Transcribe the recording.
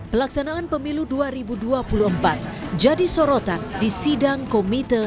pelaksanaan pemilu dua ribu dua puluh empat jadi sorotan di sidang komite